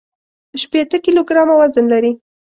شپېته کيلوګرامه وزن لري.